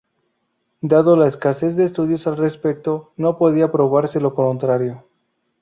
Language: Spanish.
Dado la escasez de estudios al respecto no podía probarse lo contrario.